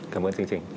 cảm ơn chương trình